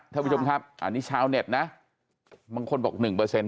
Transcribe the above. ท่านผู้ชมครับอันนี้ชาวเน็ตนะบางคนบอก๑เปอร์เซ็น